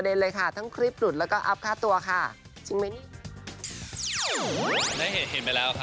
มีคนส่งมาให้ดูแล้ว